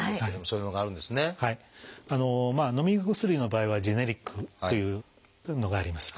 のみ薬の場合は「ジェネリック」っていうのがあります。